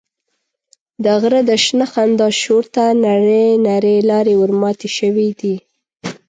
د غره د شنه خندا شور ته نرۍ نرۍ لارې ورماتې شوې دي.